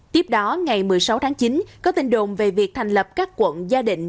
tiếp đó ngày một mươi sáu tháng chín có tin đồn về việc thành lập các quận gia đình